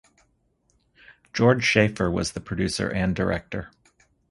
George Schaefer was the producer and director.